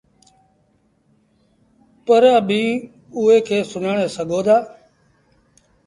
پر اڀيٚنٚ اُئي کي سُڃآڻي سگھو دآ